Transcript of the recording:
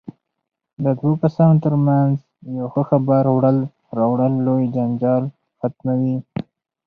د دوو کسانو ترمنځ یو ښه خبر وړل راوړل لوی جنجال ختموي.